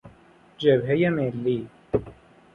جبههی ملی